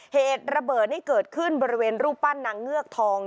เหตุระเบิดนี่เกิดขึ้นบริเวณรูปปั้นนางเงือกทอง